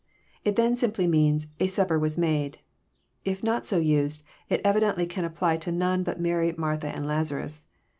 It then simply means, '< a sapper was made. If not so used, It evidently can apply to none bat Mary, Martha, and Lazarus.